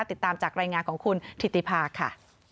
ติดตามจากรายงานของคุณถิติภาค่ะ